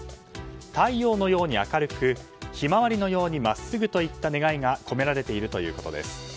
太陽のように明るくひまわりのように真っすぐといった願いが込められているということです。